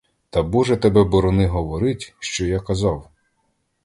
Та боже тебе борони говорить, що я казав.